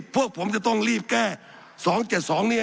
สับขาหลอกกันไปสับขาหลอกกันไป